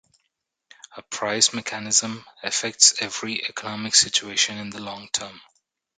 A price mechanism affects every economic situation in the long term.